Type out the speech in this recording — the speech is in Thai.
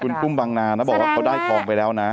คุณกุ้งบางนานะบอกว่าเขาได้ทองไปแล้วนะ